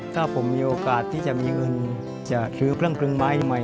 ถ้าผมมีโอกาสที่ถือพวกเครื่องไม้ใหม่